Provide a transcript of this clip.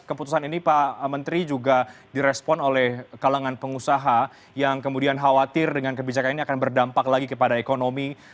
keputusan ini pak menteri juga direspon oleh kalangan pengusaha yang kemudian khawatir dengan kebijakan ini akan berdampak lagi kepada ekonomi